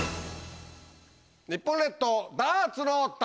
日本列島ダーツの旅！